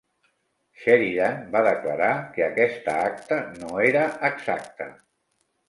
Sheridan va declarar que aquesta acta no era exacta.